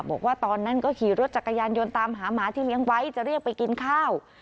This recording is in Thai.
บอกว่าตอนนั้นก็ขี่รถจักรยานยนต์ตามหาหมาที่เลี้ยงไว้จะเรียกไปกินข้าว